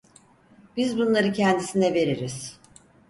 Biz bunları kendisine veririz.